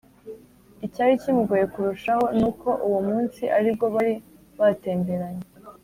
icyari kimugoye kurushaho ni uko uwo munsi ari bwo bari batemberanye